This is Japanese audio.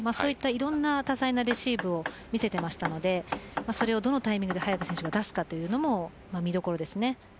いろんな多彩なレシーブを見せていましたのでそれをどのタイミングで早田選手が出すかというのも見どころです。